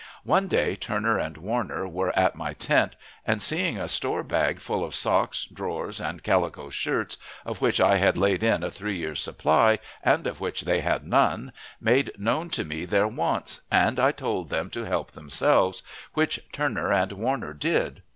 One day Turner and Warner were at my tent, and, seeing a store bag full of socks, drawers, and calico shirts, of which I had laid in a three years' supply, and of which they had none, made known to me their wants, and I told them to help themselves, which Turner and Warner did.